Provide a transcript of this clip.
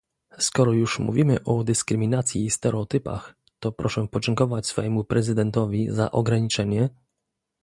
Skoro już mówimy o dyskryminacji i stereotypach, to proszę podziękować swojemu Prezydentowi za ograniczenie